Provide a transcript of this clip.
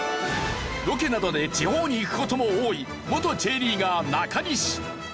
ロケなどで地方に行く事も多い元Ｊリーガー中西。